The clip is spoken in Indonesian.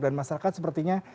dan masyarakat sepertinya